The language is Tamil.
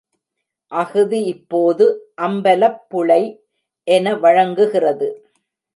அஃது இப்போது அம்பலப்புழை என வழங்குகிறது.